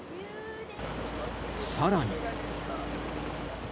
更に。